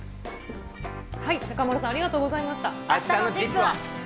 中丸さん、ありがとうございあしたのＺＩＰ！は。